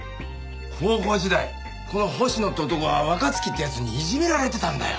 高校時代この星野って男は若月って奴にいじめられてたんだよ。